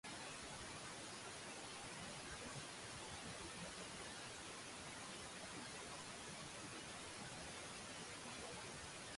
On these and many similar grounds I propose to name the new battery Monitor.